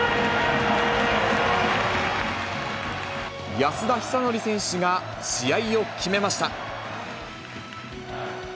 安田尚憲選手が試合を決めました。